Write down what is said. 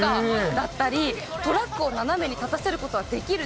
だったり、トラックを斜めに立たせることはできる？